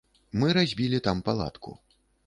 Мы разбілі там палатку.